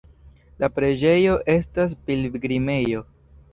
La preĝejo estas pilgrimejo.